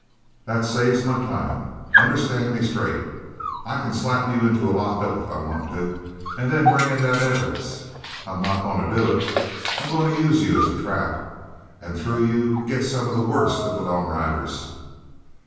"That saves my time. Understand me straight. I can slap you into a lock up, if I want to, and then bring in that evidence. I'm not going to do it. I'm going to use you as a trap and through you get some of the worst of the lone riders."